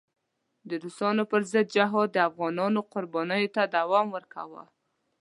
د روسانو پر ضد جهاد د افغانانو قربانیو ته دوام ورکاوه.